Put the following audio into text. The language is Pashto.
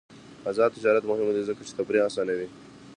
آزاد تجارت مهم دی ځکه چې تفریح اسانوي.